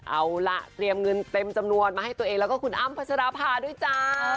เอาล่ะเตรียมเงินเต็มจำนวนมาให้ตัวเองแล้วก็คุณอ้ำพัชราภาด้วยจ้า